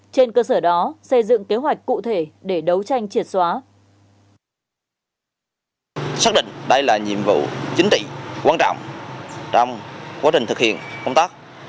trên cơ sở đó xây dựng kế hoạch cụ thể để đấu tranh triệt xóa